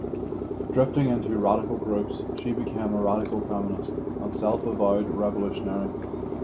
Drifting into radical groups she became a radical feminist and self-avowed revolutionary.